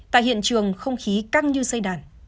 tại hiện trường không khí căng như xây đàn